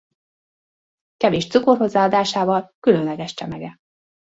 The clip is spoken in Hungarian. Kevés cukor hozzáadásával különleges csemege.